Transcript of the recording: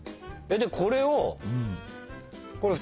でこれをこれ蓋。